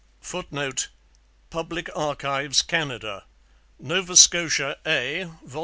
[Footnote: Public Archives, Canada. Nova Scotia A, vol.